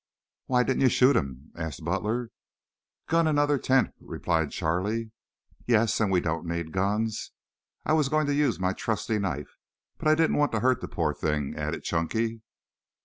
"Why didn't you shoot him?" asked Butler. "Gun in other tent," replied Charlie. "Yes. And we don't need guns. I was going to use my trusty knife, but I didn't want to hurt the poor thing." added Chunky.